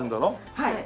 はい。